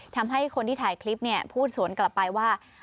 ทำให้คนที่ถ่ายคลิปพูดสวนกลับไปว่า